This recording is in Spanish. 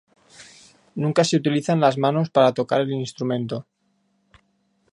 Nunca se utilizan las manos para tocar el instrumento.